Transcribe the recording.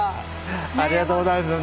ありがとうございます。